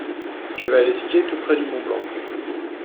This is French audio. Je vais aller skier tout près du Mont-Blanc.